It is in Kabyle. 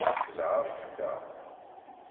D lɛaṛ fell-aɣ.